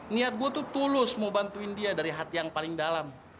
niat gue tuh tulus mau bantuin dia dari hati yang paling dalam